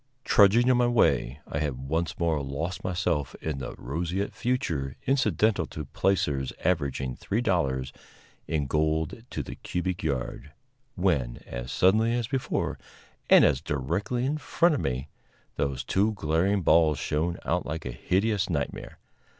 Trudging on my way, I had once more lost myself in the roseate future incidental to placers averaging three dollars in gold to the cubic yard, when, as suddenly as before, and as directly in front of me, those two glaring balls shone out like a hideous nightmare.